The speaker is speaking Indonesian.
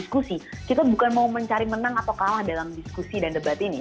kita bukan mau mencari menang atau kalah dalam diskusi dan debat ini